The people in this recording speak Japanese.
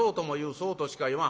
「そうとしか言わん」。